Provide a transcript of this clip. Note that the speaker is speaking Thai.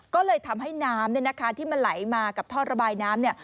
ก็เลยทำให้น้ำที่มันไหลมากับท่อระบายน้ำ